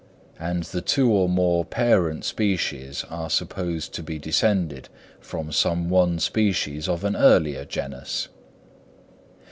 And the two or more parent species are supposed to be descended from some one species of an earlier genus.